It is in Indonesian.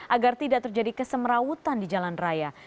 agar tidak terjadi kesemrawutan di jalan raya